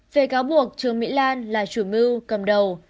về cáo buộc trương mỹ lan là chủ mưu cầm đầu